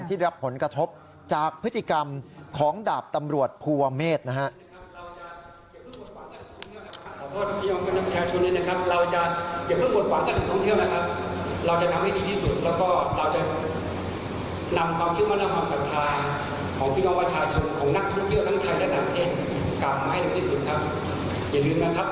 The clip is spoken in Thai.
ที่รับผลกระทบจากพฤติกรรมของดาบตำรวจภูเวอร์เมธนะครับ